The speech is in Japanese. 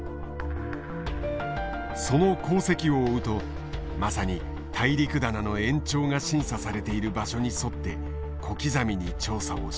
その航跡を追うとまさに大陸棚の延長が審査されている場所に沿って小刻みに調査をしていた。